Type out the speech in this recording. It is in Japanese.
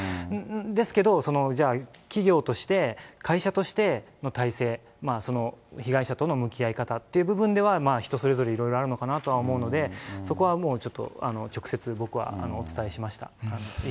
ですけど、じゃあ、企業として、会社としての体制、被害者との向き合い方っていう部分では、人それぞれいろいろあるのかなと思うので、そこはもうちょっと直接僕はお伝えしました。